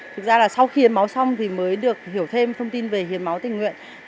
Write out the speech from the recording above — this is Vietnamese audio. thực ra là sau khi hiến máu xong thì mới được hiểu thêm thông tin về hiến máu tình nguyện